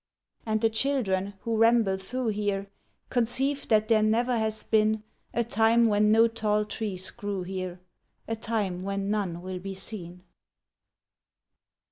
And the children who ramble through here Conceive that there never has been A time when no tall trees grew here, A time when none will be seen.